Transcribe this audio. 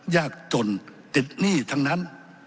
ยากจนติดหนี้ทั้งนั้น